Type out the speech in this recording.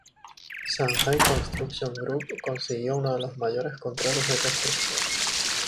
Shanghai Construction Group consiguió uno de los mayores contratos de construcción.